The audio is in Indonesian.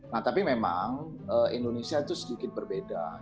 nah tapi memang indonesia itu sedikit berbeda